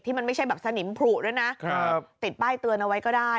มันไม่ใช่แบบสนิมผูด้วยนะติดป้ายเตือนเอาไว้ก็ได้